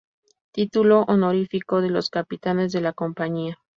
Título honorífico de los capitanes de La Compañía.